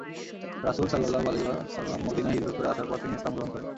রাসূল সাল্লাল্লাহু আলাইহি ওয়াসাল্লাম মদীনায় হিজরত করে আসার পর তিনি ইসলাম গ্রহণ করেন।